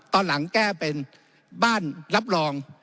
ตอนหลังแก้เป็นบ้านรับรอง